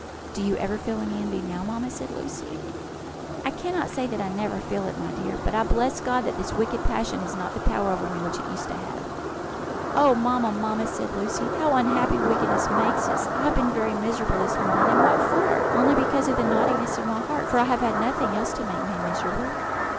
"Do you ever feel any envy now, mamma?" said Lucy. "I cannot say that I never feel it, my dear; but I bless God that this wicked passion has not the power over me which it used to have." "Oh, mamma, mamma!" said Lucy, "how unhappy wickedness makes us! I have been very miserable this morning; and what for? only because of the naughtiness of my heart, for I have had nothing else to make me miserable."